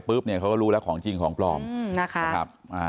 แล้วปุ๊บเนี่ยเขาก็รู้แล้วของจริงของปลอมนะคะ